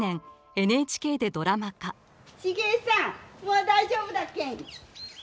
もう大丈夫だけん。